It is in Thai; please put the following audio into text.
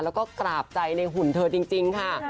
แล้วก็กราบใจในหุ่นเธอจริงค่ะ